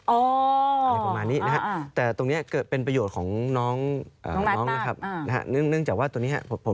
อะไรประมาณนี้นะครับแต่ตรงนี้เกิดเป็นประโยชน์ของน้องนะครับเนื่องจากว่าตรงนี้ครับผม